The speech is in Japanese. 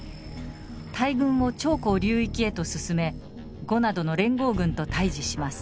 大軍を長江流域へと進め呉などの連合軍と対峙します。